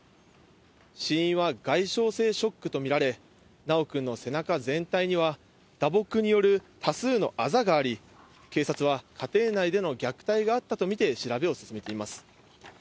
死因は外傷性ショックと見られ、修くんの背中全体には打撲による多数のあざがあり、警察は、家庭内での虐待があったと見て、調べを進めています。